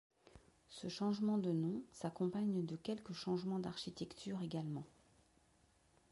Ce changement de nom s'accompagne de quelques changements d'architecture également.